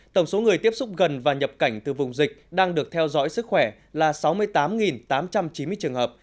tổng số người tiếp xúc gần và nhập cảnh từ vùng dịch đang được theo dõi sức khỏe là sáu mươi tám tám trăm chín mươi trường hợp